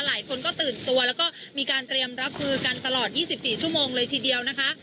หลายคนก็ตื่นตัวแล้วก็มีการเตรียมรับมือกันตลอด๒๔ชั่วโมงเลยทีเดียวนะคะ